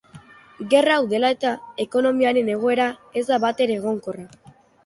Gerra hau dela eta, ekonomiaren egoera ez da batere egonkorra.